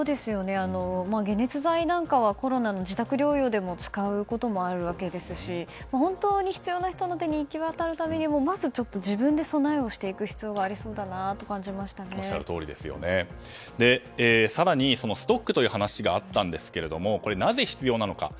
解熱剤なんかはコロナの自宅療養でも使うこともあるわけですし本当に必要な人の手にいきわたるためにもまず自分で備えをしていく必要がありそうだと更にストックという話があったんですがなぜ必要なのか。